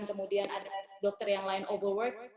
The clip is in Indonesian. kemudian ada dokter yang lain overwork